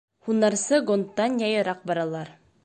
Һунарсы гондтан яйыраҡ баралар.